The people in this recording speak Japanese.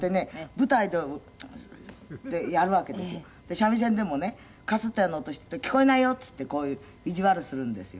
「三味線でもねかすったような音していると“聞こえないよ”って言ってこういう意地悪するんですよ」